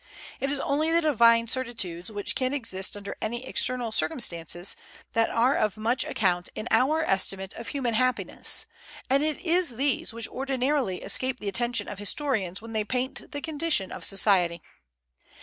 It is only the divine certitudes, which can exist under any external circumstances, that are of much account in our estimate of human happiness, and it is these which ordinarily escape the attention of historians when they paint the condition of society.